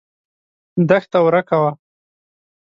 دښته ورکه وه.